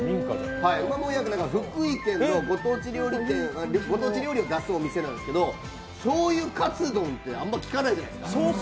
うまもんやって福井県のご当地料理を出すお店なんですけど醤油かつ丼って、あんまり聞かないじゃないですか。